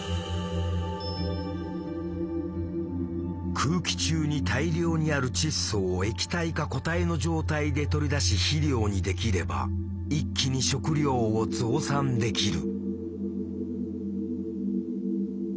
空気中に大量にある窒素を液体か固体の状態で取り出し肥料にできれば一気に食糧を増産できる。